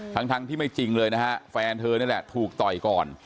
ทั้งที่ไม่จริงเลยนะฮะแฟนเธอนี่แหละถูกต่อยก่อน